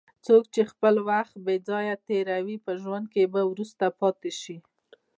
څوک چې خپل وخت بې ځایه تېروي، په ژوند کې به وروسته پاتې شي.